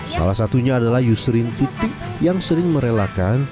salah satunya adalah yusrin utik yang sering merelakan